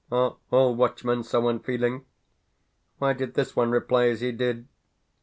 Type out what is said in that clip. Are ALL watchmen so unfeeling? Why did this one reply as he did?